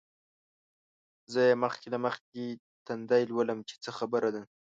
زه یې مخکې له مخکې تندی لولم چې څه خبره ده.